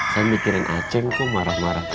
saya mikirin aceh kok marah marah